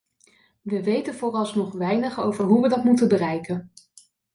We weten vooralsnog weinig over hoe we dat moeten bereiken.